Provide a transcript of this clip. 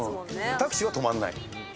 タクシーは止まらない。